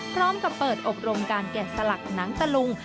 พร้อมกับเปิดอบรมการแกะสลักหนังตะลุง